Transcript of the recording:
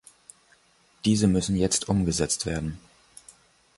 Diese müssen jetzt umgesetzt werden.